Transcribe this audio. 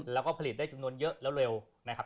แล้วก็ผลิตได้จำนวนเยอะแล้วเร็วนะครับ